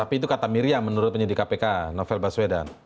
tapi itu kata miriam menurut penyidik kpk novel baswedan